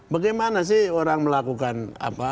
bagaimana sih orang melakukan apa